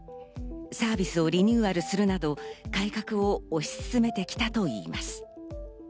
サービスをリニューアルするなど改革を押し進めてきたといいます。